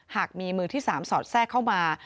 หากมีมือที่๓สอดแทรกเข้ามา